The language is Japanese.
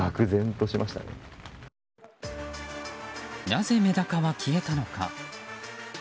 なぜメダカは消えたのか。